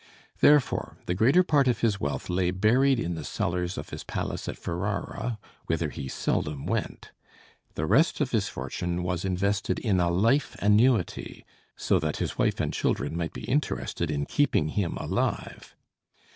Therefore, the greater part of his wealth lay buried in the cellars of his palace at Ferrara, whither he seldom went. The rest of his fortune was invested in a life annuity, so that his wife and children might be interested in keeping him alive.